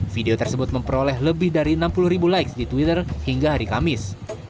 video tersebut memperoleh lebih dari enam puluh ribu likes di twitter hingga hari kamis